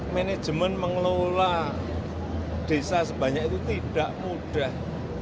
manajemen mengelola desa sebanyak itu tidak mudah